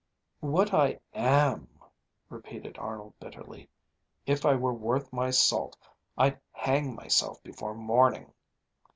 "What I am," repeated Arnold bitterly. "If I were worth my salt I'd hang myself before morning!"